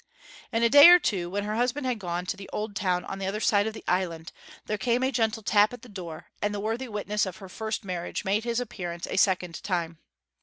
In a day or two, when her husband had gone to the old town on the other side of the island, there came a gentle tap at the door, and the worthy witness of her first marriage made his appearance a second time.